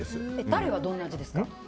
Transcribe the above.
タレはどんな味ですか？